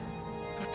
どっち？